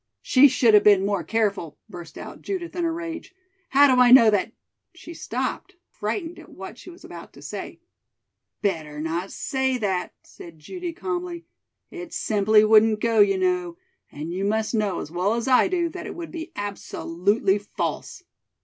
"She should have been more careful," burst out Judith in a rage. "How do I know that " she stopped, frightened at what she was about to say. "Better not say that," said Judy calmly. "It simply wouldn't go, you know, and you must know as well as I do that it would be absolutely false."